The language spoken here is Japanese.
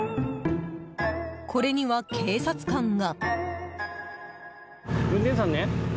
これには、警察官が。